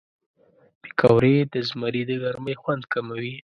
پکورې د زمري د ګرمۍ خوند کموي